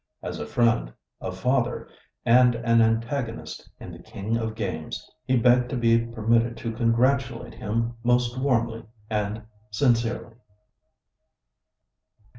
As a friend, a father, and an antagonist in the king of games, he begged to be permitted to congratulate him most warmly and sincerely.